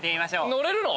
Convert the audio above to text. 乗れるの？